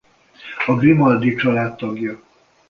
A Grimaldi család tagja.